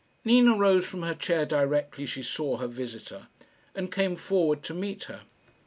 Nina rose from her chair directly she saw her visitor, and came forward to meet her.